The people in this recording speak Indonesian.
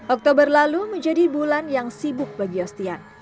oktober lalu menjadi bulan yang sibuk bagi yostian